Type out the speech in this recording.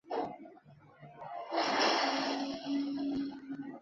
各学科的社会学课程是由时任北京大学教务长的社会学家陶孟和教授主讲。